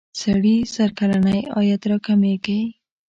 سړي سر کلنی عاید را کمیږی.